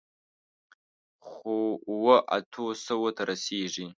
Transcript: خو، اوو، اتو سووو ته رسېږي.